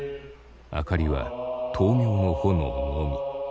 明かりは灯明の炎のみ。